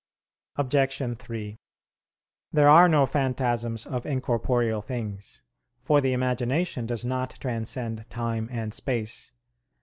Obj. 3: There are no phantasms of incorporeal things: for the imagination does not transcend time and space.